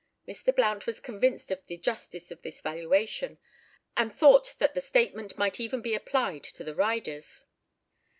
Mr. Blount was convinced of the justice of this valuation, and thought that the statement might even be applied to the riders.